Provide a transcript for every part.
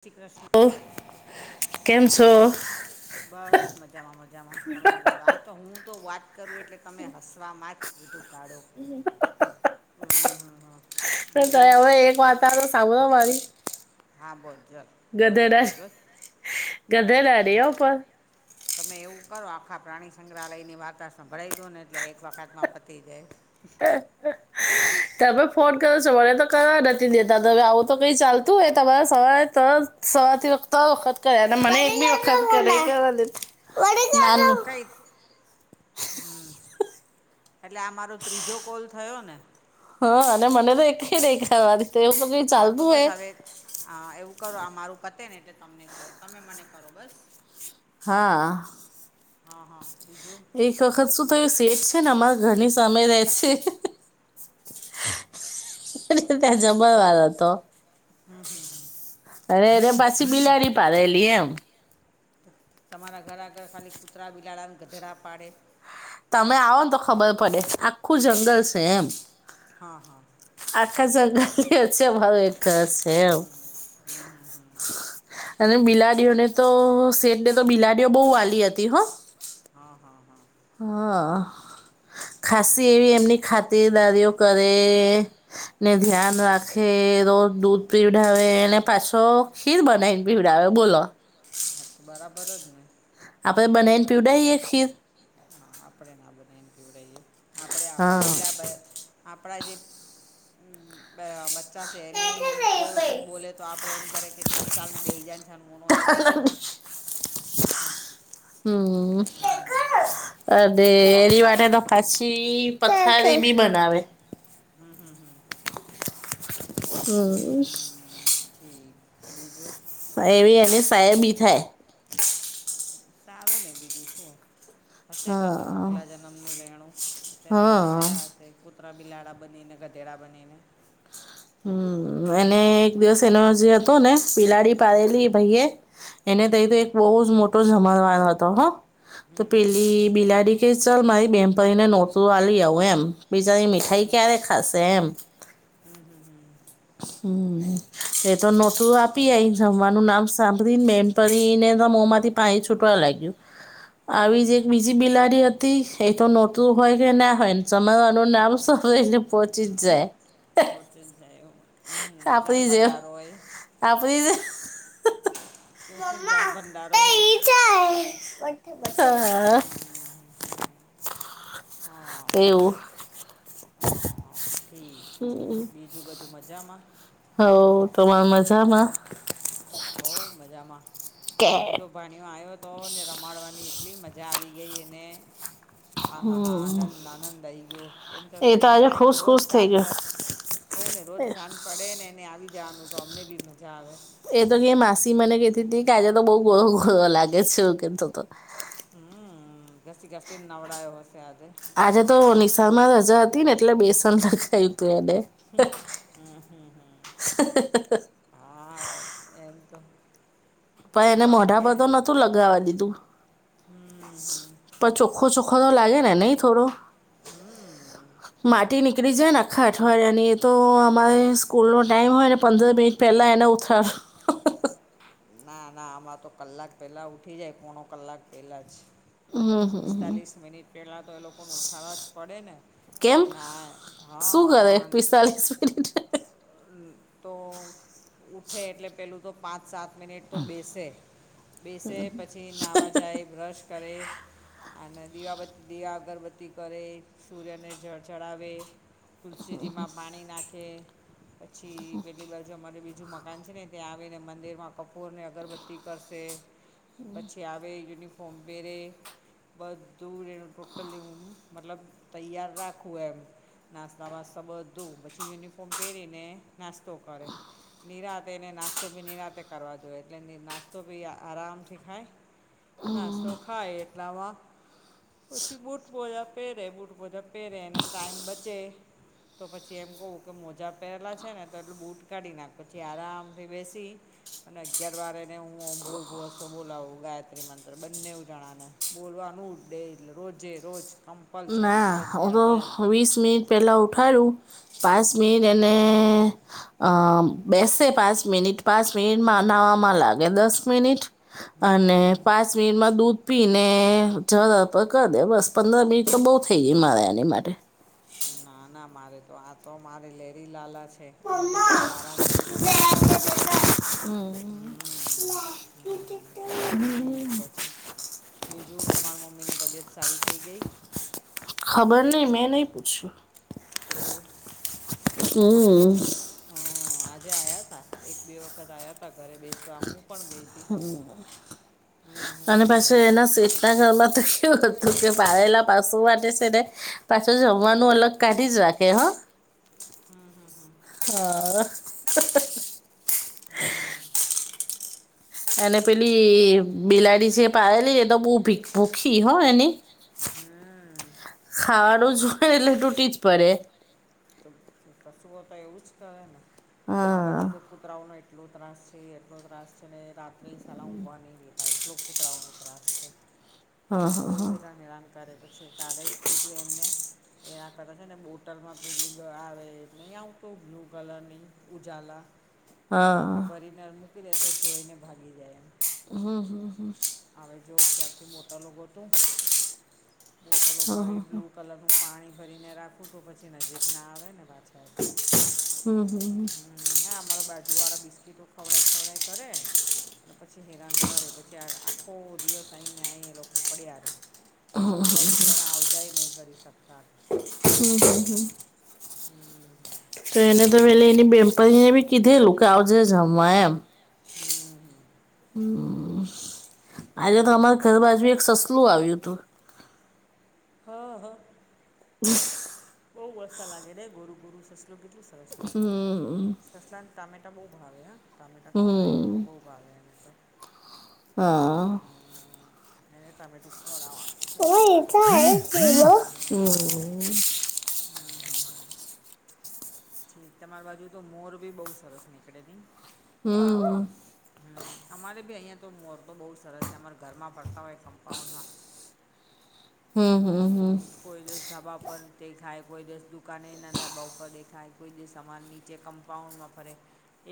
શ્રી કૃષ્ણ ઓ કેમ હા છો? બસ મજામાં મજામાં તમે બોલો આ તો હું તો વાત કરું એટલે તમે હસવામાં જ બધું કાઢો હમ હમ હા હા ત હવે એક વાત આવે તો સાંભળ મારી હા બોલ ચાલ બોલો ગધેડા બોલ બસ ગધેડા નહી હો પણ. તમે એવું કરો આખા પ્રાણી સંગ્રહાલયની વાતાસણ ભરાઈ દો ને એટલે એક વખતમાં પતી જાય [inaudible] તમે ફોન કરો છો મને તો કરવા નથી દેતા તમે આવું તો કઈ ચાલતું હોય તમારા સવારે ત સવાથી વખત વખત કરે મને એક બી વખત કરે કંઈ હમ એટલે આ મારો ત્રીજો કોલ થયો ને હા અને મને તો એક ન સારવા હા તો બસ હવે હ એવું કરો મારું પતે ને એટલે તમને કરો તમે મને કરો બસ હા હા હા બીજું એક વખત શું થયું સેટ છે ને અમારે ઘરની સમય રહે છે. ત્યાં જમવાળ હતો હમ હમ હમ અરે અરે પાછી બિલાડી પાડેલી એમ તમારા ઘર આગળ ખાલી કૂતરા બિલાડાને ગધેડા પાડે તમે આવો ને તો ખબર પડે આખું જંગલ છે એમ હા હા આકા જંગલથી હ છે ભરો એ કશેમ હમ હમ હમ હમ અને બિલાડીઓને તો શેટને તો બિલાડીઓ બહુ વાલી હતી હો. હા, હા, હા. હા. ખાસી એવી હમ એમની ખાતરદારીઓ કરે ને ધ્યાન હા હા રાખે જે રોજ દૂધ પીવડાવે અને પાછો ખીર બનાવીને પીવડાવે બોલો. હા, તો બરાબર જ ને. આપણે બનાવીને પીવડાઈ એ ખીર. હા આપણેે ના બનાને પીવડાઈએ આપણેે હા આપણા બીલા આપણા જે બચ્ચા છે એને કોઈ વખત બોલે તો આપણે એમ કરે કે ચાલ ને બેહીજા ને છાનો માનો એવું નહીં ક હા. હમ હમ [unintelligible] પછી પથારી બી બનાવે. હમ, હમ, હમ. હમ. ઠીક બીજું? એવી અને સાહેબ બી થાય. સારું ને બીજું શું. હશે કશું હા આગલા જન્મનું લેણું તે લેવા હા. આયા હશે. કૂતરા, બિલાડા બનીને ગધેડા બનીને. હમ એને એક દિવસ એનો જે હતો ને બીલાડી પાડેલી ભાઈ એ એને તઈ તો હમ એક બહુ જ મોટો જમાનવાર હતો હો તો હમ હમ પેલી બિલાડી કે ચાલ મારી બેમપરીને નોતરું આલી આવુ એમ હમ બિચારી મીઠાઈ હમ હમ ક્યારે ખાશે એમ. હમ, હમ, હમ. હમ એ તો નોતરું આપી આઈ જમવાનું નામ સાંભળીને બેનપરીને મો માંથી પાણી છૂટવા લાગ્યું. આવી જ એક બીજી બિલાળી હતી એ તો નોતરું હોય કે ના હોય જમાનું નામ સાંભળીને એને પોચીસ જાય. પોચી જાય એવુ [unintelligible] આપણે જે તો શું જાણ ભડારો હોય. હમ હમ [unintelligible] હમ હમ હા, હા, એવું હા, હા. ઠીક છે બીજું બધું મજામાં? હવ તમારા મજામાં? હોઉ મજામાં આજે તો ભાણીયો આવ્યો તો ને રમાડવાની એટલી મજા આવી ગઈ એને. આહા હા, આનંદ, આનંદ આવી ગયો. એમ એ તો એમ આજે થાય કે ખુશ રોજ ખુશ થઈ શાંત પ ગયો કહું ને રોજ સાજં પડે ને એને આવી જવાનું તો અમને બી મજા આવે. એ તો કે માસી મને કતી હતી આજે તો બહું [unintelligible] લાગે છે કેતો. હમ ઘસી ઘસી ને નવડાયો હશે આજે. આજે તો નિશાન માં રજા હતી ને એટલે બેસન [unintelligible] એનેે હમ, હમ, હમ, હા, એમ તો પણ એને છોકરાઓનું મોઢા થોડું પરતો નતું લગાવા દીધું હમ હમ પણ ચોખ્ખો ચોખો લાગે ને નહીં થોડો. હમ. માટી નીકળી જાય ને આખા અઠવાડિયાની એ તો અમારે સ્કૂલનો ટાઈમ હોય ને પંદર બે પહેલા એના ઉથરો ના ના આમાં તો કલાક પહેલા ઉઠી જાય પોણો કલાક પહેલા જ. હમ હમ. પિસ્તાલીસ મિનિટ પહેલાં તો એ લોકોને ઉઠાડવા જ પડે ને. કેમ ના શું કરે હહ પિસ્તાલીસ મિનિટ તો ઉઠે એટલે પેલું તો પાંચ સાત મિનિટ તો બેસે. બેસે પછી નાહવા જાય, બ્રશ કરે. અને દીવાબત દીવા અગરબત્તી કરે, સૂર્યને જડ ચડાવે. તુલસીજીમાં પાણી નાખે. પછી પેલી બાજુ અમારું બીજું મકાન છે ને ત્યાં આવી ને મંદિરમાં કપૂરને અગરબત્તી કરશે. પછી આવે યુનિ ફોર્મ પેરે. બધું એનું ટોટલી અમ મતલબ તૈયાર રાખું એમ. નાસ્તા વાસ્તા બધું પછી યુનિફોર્મ પેરીને નાસ્તો કરે. નિરાતે એને નાસ્તો બી નિરાતે કરવા જોએ. એટલે નાસ્તો બી આરામથી ખાય. નાસ્તો ખાય એટલામાં પછી બૂટ મોજા પહેરે, બૂટ મોજા પહેરે અને ટાઈમ બચે તો પછી એમ કહું કે મોજ જા પેરેલા છે ને તો એટલું બૂટ કાઢી નાખ. પછી આરામથી બેસી અને અગિયાર વારે એને હું ઓમ ભૂર ભૂવ સ્વાહા બોલાવું ગાયત્રી મંત્ર બંને એવું જણાને. બોલવાનું દે એટલે રોજે રોજ. કમ્પલસરી ના હું ફરજિયાત તો એમ વીસ મનિટ પહેલાં ઉઠાવું. પાંચ મિનિટ એને અ બેસે પાંચ મિનિટ. પાંચ મિનિટમાં નાવામાં લાગે, દસ મિનિટ અને હમ પાંચ મિનિટમાં દૂધ પી ને જરા પર કરી દે બસ પંદર મિનિટ તો બહુ થઈ ગી મારે એની માટે. ના ના મારે તો આ તો મારે લેરીલાલા છે. એને મમ્મા બધું આરામથી જોઈએ. હમ હમ [inaudible] ઠીક કે છે. બીજું તમારા મમ્મીની તબિયત સારી થઈ ગઈ? ખબર નહીં મેં નહીં પૂછ્યું. એવું? હમ હહ આજે આયાતા. એક બે વખત આયાતા ઘરે બેસવા હું પણ ગઈતી. હમ અને પાસુ હમ હમ એના શેઠના ઘરમાં તો કેવું હતું કે પાડેલા પસુ માટે છે ને પાછું જમવાનું અલગ કાઢી જ રાખે હહ. હમ હમ હમ. હહ અ હમ એને પેલી બિલાડી જે પાળેલી એતો બોવ ભીખી ભૂખી હો એની. હમ ખાવાનું જોવે એટલે તૂટી જ પડે. એ પશુઓ તો એવું જ કરે ને. અમારી હા બાજુ તો કુતરાઓનો એટ એટલો ત્રાસ છે એટલો ત્રાસ છે ને રાત્રે સાલા ઊઘવા નહી દેતા, એટલો કુતરાઓનો ત્રાસ છે. બહુ હેરાન હેરાન કરે પછી. કાલે જ કીધું એમને એ આ કરે છે ને બોટલમાં પેલી ગ આવે. એ નહી આવતું બ્લુ કલરની ઉજાલા એક હા ભરી ને મૂકી દે તો જોઈને ભાગી જાય એમ. હમ હમ હમ. હવે જો ક્યાંકથી બોટલો ગોતું. બોટલો મળી બ્લુ કલરનું પાણી ભરીને રાખું તો પછી નજીક ના આવે ને પાછ એટલે હમ હમ ના અમારા બાજ જુ વાળા બિસ્કીટો ખવડાઈ ખવડાઈ કરે. અને પછી હેરાન કરે પછી આખો દિવસ આવીહીને આ એ લોકો પડ્યા રે છોકરા બિચારા આવજાય નહીં કરી શકતા હમ હમ હમ હમ તો એને તો વે એની પણછ એને બી કીધેલું કે આવજે જમવા એમ હમ હમ હમ આજે તો તમામારે ઘર બાજુ એક સસલું આવ્યું હતું. હા હા બઉુ મસ્ત લાગે ને ગોરુ ગોરુ સસલું કેટલું સરસ લાગે. સસલાને ટામેટા બહુ ભાવે હા ટામેટા ખોડાય ને તો હમ બહુ ભાવે એને તો. હા હમ, એને ટામેટું ખવડાવાનુ. [unintelligible] હમ હમ હ તમારી બાજુ તો મોર ભી બઉુ સરસ નીકળે નહી. હમ હમ અમારે બી અહીયાંયા તો મોર તો બહુ સરસ છે અમારા ઘરમાં ફરતા હોય કમ્પાઉન્ડમાં. હમ્મ હમ્મ હમ્મ. હમ કોઈ દસ ધાબા પરર દેખાય કોઈ દસ દુકાનેના ધાબા ઉપર દેખાય કોઈ દ સમાન નીચે કમ- કમ્પાઉન્ડમાં ફરે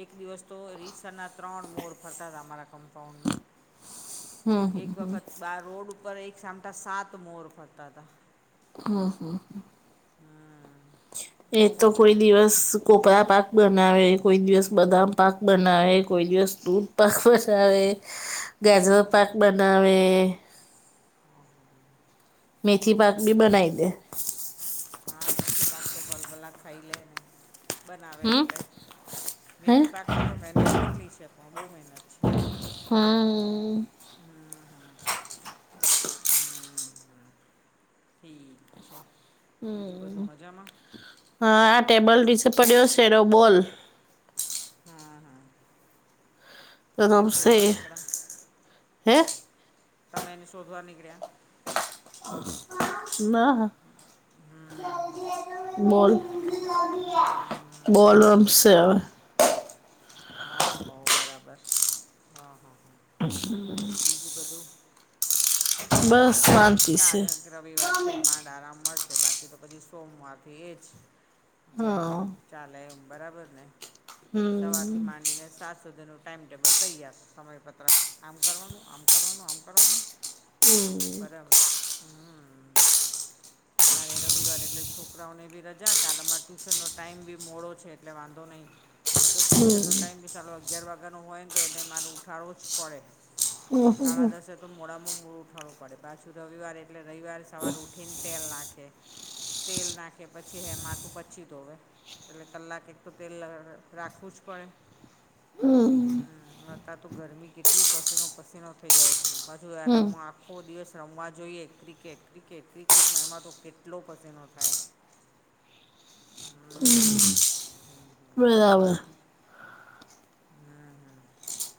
એક દિવસ તો રીસરના ત્રણ મોર ફરતા હતા અરા કમ્પાઉન્ડમાં એક વખત બાર રોડ ઉપર એક સામટા સાત મોર ફરતા હતા. હમ હમ હમ્મ. એ તો કોઈ દિવસ કોપરા પાક બનાવે કોઈ દિવસ બદામ પાક બનાવે કોઈ દિવસ દૂધ પાક બનાવે. હ ગાજર પાક બનાવે. મેથી પાક બી બનાઈ દે. હા મેથી પાકતો ભોલ ભલા ખાઈ લે ને બનાવે હમ એટલે. હે મેથી પાકમાં તો મહેનત કેટલી છે પણ બહુ મહેનત છે. હા હમ હમ હમ ઠીક છે બીજું બધું હમ મજામાં? હા આ ટેબલ રસે પડ્યો છે એરો બોલ હા હા તમે રમશે શોધવા નીકળ્યા? હે તમેં એને શોધવાર નીકળ્યા? ના હમ બોલ હમ બોલ ઠીક રમશે અવે. હા હ બરાબર હં હા હ હમ બધું બસ શાંતિ છે. કાલે રવિવાર છે માંડ આરામ મળશે બાકી તો પછી સોમવારથી એ જ. જેમ હા રૂટ ચાલે એમ બરાબર ને! હમ સવારથી માંડીને સાત સુધીનું ટાઈમટેબલ તૈયાર સમયપત્રક. આમ કરવાનું આમ કરવાનું આમ કરવાનું બરાબર. હમ્મ. કાલે રવિવાર એટલે છોકરાઓને બી રજા કલે અમારા ટ્યુશનનો ટાઈમ બી મોડો છે એટલે વાંધો નહીં. ન તો ટ્યુશનનો ટાઈમ બી સાારો અગિયાર વાગ્યાનો હોય ને તો એટલે મારે ઉઠાડવો જ પડે. સાડા દસે તો મોડામાં મૂળું ઉઠાવું પડે પાછું તું રવિવાર એટલે રવિવારે સવાર ઉઊઠીને તેલ નાખે તેલ નાખે પછી હે માથું પચી ધોવે એટલે કલાક એક તો તેલ રાખવું જ પડે હમ્મ હમ હતા ત ગરમી કેટલી પસીનો પસીનો થઈ જાય એટલું પાછું હમ યારમમાં આખો દિવસ રમવા જોઈએ ક્રિકેટ ક્રિકેટ ક્રિકેટમાં એમાં તો કેટલો પસનોનો થાય હ હમ હમ બરાબર હમ્મ હમ્મ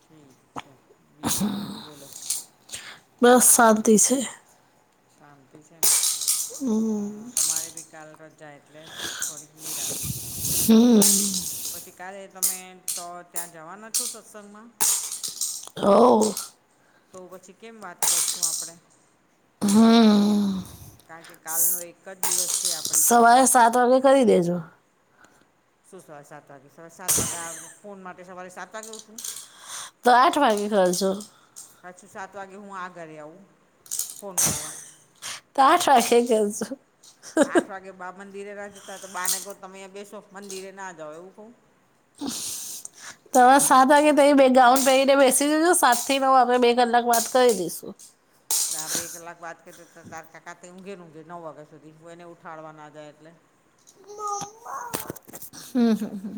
ઠીક છે બીજું તમે બોલો બસ શાંતિ છે. શાંતિ છે ને. હા તમારે બી કાલ રજ જાય એટલે થોડીક નિનીરા હમ્મ પછી ક્યારે તમે તો ત્યાં જવાના છો સત્સંગમાં હવ તો પછી કેમ વાત કરશું આપડણે હમ્મ કારણ કે કાલનો એક જ દિવસ છે આપ સવારે સાત વાગે કરી દેજો શું સવારે સાત વાગે સવારે સાત વાગે આવે ફોન માટે સવારે સાત વાગે ઉઠું તો આઠ વાગે કરજો પાછું સાત વાગે હું આગરે આવું ફોન કરવા ત આઠ વાગે કરજો. આઠ વાગે બા મંદિરે ના જતા તો બાને કહ તમેં બેસો મંદિરે ના જાવ એવું કઉ તવા સાદ વાગે ગાઉન પહેરીને બેસી દજ સાત થી હું આપણે બે કલાક વાત કરી દઈશું બે કલાક બાદ કરી ત ટકા ઊઘેલઘે નવ વાગ્યા સુધી હ એને ઉઠાડવા ના જાય એટલે હમ્મ હમ્મ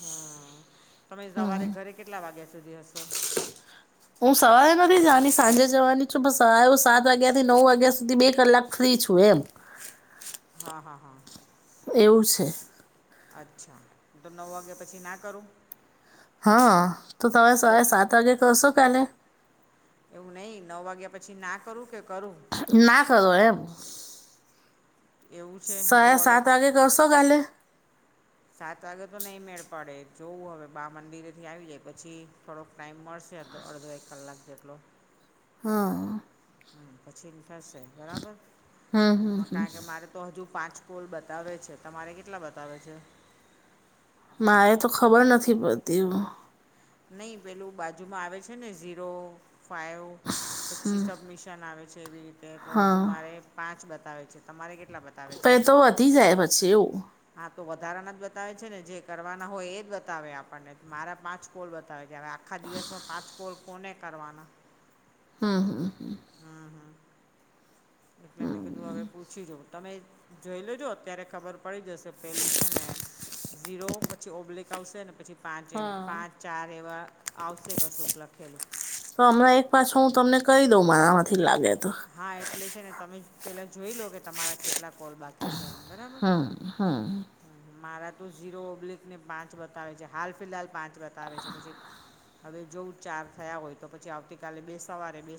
હમ તમે સવારે ઘરે કેટલા વાગ્યા સુધી હશો હું સવારે નથી જવાની સાંજે જવાની છું પણસ સવા એું સાત વાગ્યાથી નવ વાગ્યા સુધી બે કલાક ફ્રી છું એમ હા હા હા. એવું છે. અચ્છા તો નવ વાગ્યા પછી ના કરું હા તો તમે એટલે સરે સાત વાગે કરશો કાલે એવું નહીં નવ વાગ્યા પછી ના કરું કે કરું ના કરો એમ એવું છે નવ સવારે સાત વાગ્યા વાગે કરશો કાલે સાત વાગે તો નહીં મેળ પડે જોવું હવે બા મંદિરેથી આવી જાય પછી થોડોક ટાઈમ મળશે અધો અડધો એક કલાક જેટલો હા હા પછીને થશે બરાબર હા કારણ કે મારે તો હજુ પાંચ પોલ બતાવે છે તમારે કેટલા બતાવે છે? મારે તો ખબર નથી પડતી નહીં પેલું બાજુમાં આવે છે ને ઝીરો ફાાઈવ પછી સબ મિશન ન આવે છે એવી રીતે તો હજુ હા મારે પાંચ બતાવે છે તમારે કેટલા બત પ એ તો વધી જાય પછી એવું હા તો વધારાના જ બતાવે છે ને જે કરવાના હોય એ જ બતાવે આપણને મારા પાછ પા કોલ બતાવે છે હવે આખા દિવસમાં પાંચ કોલ કોને કરવાના હમ્મ હમ્મ હા હા. એટલે મેં કીધું હવે પૂછી જોઉ તમે જોઈ લેજો અત્યારે ખબર પડી જશે પેલું છે ને ઝીરો પછી ઓબ્લિક આવશે ને પછી પાંચ એમ હા. પાંચ ચાર એવા આવશે કશુંક લખેલું. તો હમણાં એક પાછો હું તમને કહી દઉં મને મારા માંથી લાગે તો હા એટલે છે ને તમે પેલા જોઈ લો કે તમારા કેટલા કોલ બાકી છે એમ બરાબર. મારા તો ઝીરો ઓબ્લિક ને પાંચ બતાવે છે હાલ ફિલહાલ પાંચ બતાવે છે પછી હવે જોવ ચાર થયા હોય તો પછી આવતીકાલે બે સવારે બે